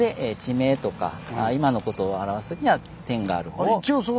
地名とか今のことを表す時には点がある方を。